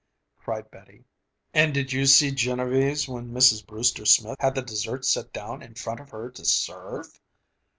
cried Betty. "And did you see Genevieve's when Mrs. Brewster Smith had the dessert set down in front of her to serve!"